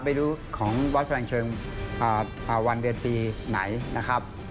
ไม่รู้ของวัดพลังเชิงวันเดือนปีไหนนะครับ